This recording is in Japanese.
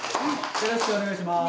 よろしくお願いします。